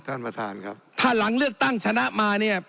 ท่านประธานครับถ้าหลังเลือกตั้งชนะมาเนี่ย